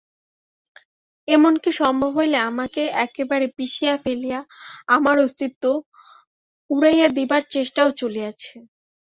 এমনকি সম্ভব হইলে আমাকে একেবারে পিষিয়া ফেলিয়া আমার অস্তিত্ব উড়াইয়া দিবার চেষ্টাও চলিয়াছে।